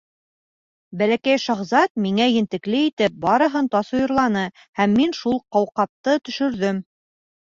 Бәләкәй шаһзат миңә ентекле итеп барыһын тасуирланы һәм мин шул ҡауҡабты төшөрҙөм.